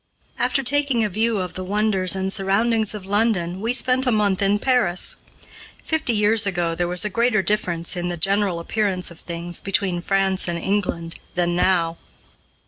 After taking a view of the wonders and surroundings of London we spent a month in Paris. Fifty years ago there was a greater difference in the general appearance of things between France and England than now.